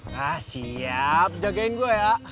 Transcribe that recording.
nah siap jagain gue ya